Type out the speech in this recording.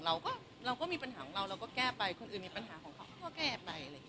เราก็มีปัญหาของเราเราก็แก้ไปคนอื่นมีปัญหาของเขาก็แก้ไป